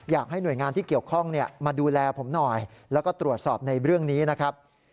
อยากให้หน่วยงานที่เกี่ยวข้องมาดูแลผมหน่อยแล้วก็ตรวจสอบในเรื่องนี้นะครับ